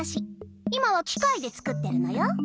今はきかいで作ってるのよ。